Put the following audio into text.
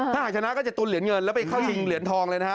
ถ้าหากชนะก็จะตุนเหรียญเงินแล้วไปเข้าชิงเหรียญทองเลยนะฮะ